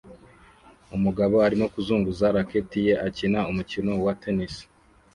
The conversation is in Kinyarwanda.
Umugabo arimo kuzunguza racket ye akina umukino wa tennis